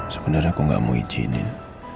sebenarnya aku gak mau izinin